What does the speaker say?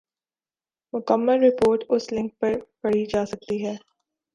مکمل رپورٹ اس لنک پر پڑھی جا سکتی ہے ۔